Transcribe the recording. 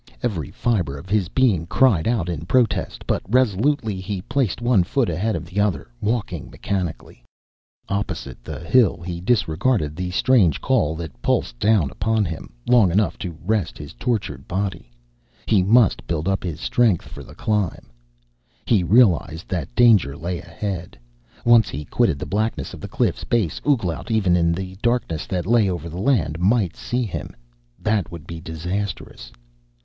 Every fiber of his being cried out in protest, but resolutely he placed one foot ahead of the other, walking mechanically. Opposite the hill he disregarded the strange call that pulsed down upon him, long enough to rest his tortured body. He must build up his strength for the climb. He realized that danger lay ahead. Once he quitted the blackness of the cliff's base, Ouglat, even in the darkness that lay over the land, might see him. That would be disastrous.